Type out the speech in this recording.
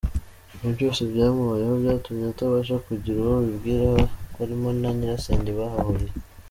Ibyo byose byamubayeho byatumye atabasha kugira uwo abibwira barimo na nyirasenge bahahuriye.